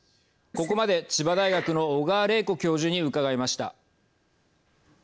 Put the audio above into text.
ここまで千葉大学の小川玲子教授に伺いました。